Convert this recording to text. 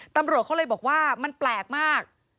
ตำรวจเขาเลยบอกว่ามันแปลกมาก